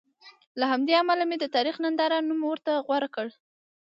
له همدې امله مې د تاریخ ننداره نوم ورته غوره کړ.